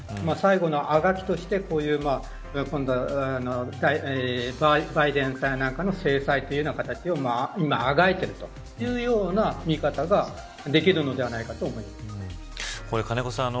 最後のあがきとして、こういうバイデンさんなんかへの制裁という形で、今あがいているというような見方ができるんではないかと思います。